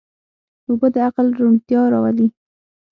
اوبه د عقل روڼتیا راولي.